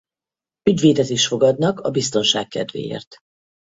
Ügyvédet is fogadnak a biztonság kedvéért.